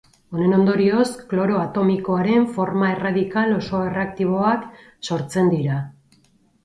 Honen ondorioz, kloro atomikoaren forma erradikal oso erreaktiboak sortzen dira.